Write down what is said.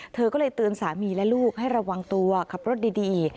เธอก็เลยเตือนสามีและลูกให้ระวังตัวขับรถดี